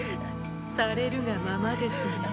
されるがままですね。